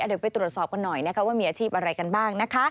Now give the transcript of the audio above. เดี๋ยวไปตรวจสอบกันหน่อยนะคะว่ามีอาชีพอะไรกันบ้างนะคะ